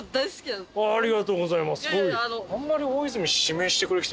ありがとうございます。